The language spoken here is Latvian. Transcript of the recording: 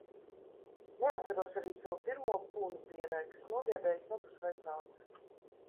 Neatceros arī savu pirmo punu pierē, kas nobiedējis abus vecākus.